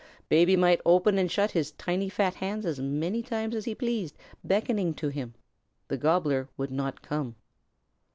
Baby might open and shut his tiny fat hands as many times as he pleased, beckoning to him. The Gobbler would not come.